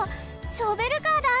ショベルカーだ！